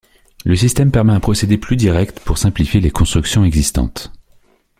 Le système permet un procédé plus direct pour simplifier les constructions existantes.